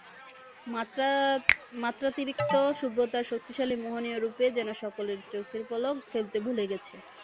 মাত্রাতিরিক্ত শুভ্রতার শক্তিশালী মোহনীয় রূপে যেন সকলে চোখের পলক ফেলতে ভুলে গেছে।